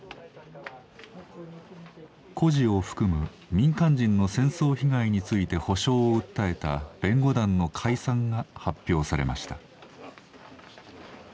孤児を含む民間人の戦争被害について補償を訴えた弁護団の解散が発表されました。